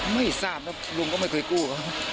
ไม่ทราบนะรุงมันก็ไม่เคยกู้